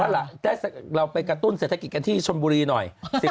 เอาล่ะเราไปกระตุ้นเศรษฐกิจกันที่ชนบุรีหน่อย